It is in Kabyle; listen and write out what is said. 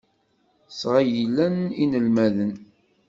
Sɣeylen inelmaden.